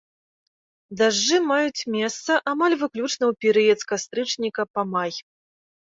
Дажджы маюць месца амаль выключна ў перыяд з кастрычніка па май.